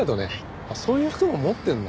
そういう服も持ってるんだ？